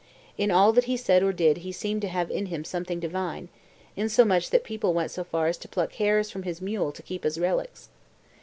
In all that he did or said he seemed to have in him something divine, insomuch that people went so far as to pluck hairs from his mule to keep as relics.